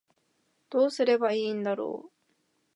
どうすればいいんだろう